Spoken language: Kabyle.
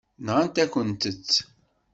Nɣant-akent-tt.